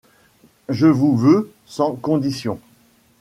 Je vous veux sans condition…